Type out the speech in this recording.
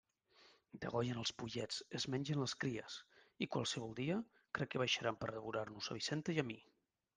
Degollen els pollets, es mengen les cries, i qualsevol dia crec que baixaran per a devorar-nos a Vicenta i a mi!